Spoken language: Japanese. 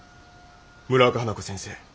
村岡花子先生。